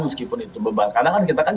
meskipun itu beban karena kan kita kan